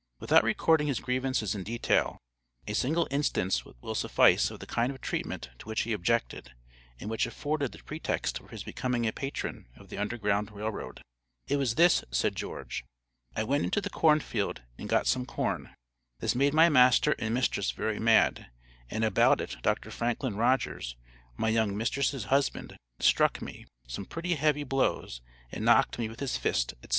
Without recording his grievances in detail, a single instance will suffice of the kind of treatment to which he objected, and which afforded the pretext for his becoming a patron of the Underground Rail Road. It was this, said George: "I went into the corn field and got some corn. This made my master and mistress very mad, and about it Dr. Franklin Rodgers, my young mistress' husband, struck me some pretty heavy blows, and knocked me with his fist, etc."